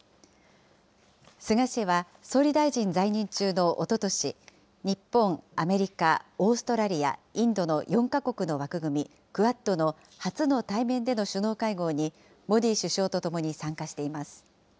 菅氏は総理大臣在任中のおととし、日本、アメリカ、オーストラリア、インドの４か国の枠組み・クアッドの初の対面での首脳会合に、モディ首相と共に参加しています。